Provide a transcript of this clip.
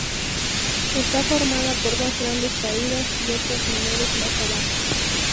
Está formada por dos grandes caídas y otras menores más abajo.